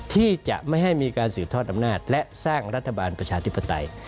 ที่จะไม่ให้มีการสืบทอดอำนาจและสร้างรัฐบาลประชาธิปไตย